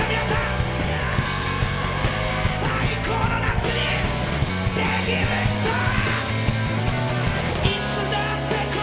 最高の夏にできる人ー！